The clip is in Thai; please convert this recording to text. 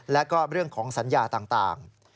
แล้วก็เรื่องของสัญญาต่าง